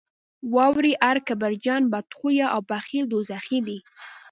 واورئ هر کبرجن، بدخویه او بخیل دوزخي دي.